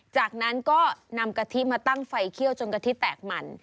จากนั้นก็นำกะทิมาตั้งไฟเขี้ยวจนกะทิแตกหมั่น